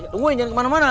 tungguin jangan kemana mana